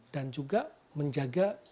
dan juga membuat atlet lebih berkembang